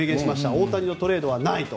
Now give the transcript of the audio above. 大谷のトレードはないと。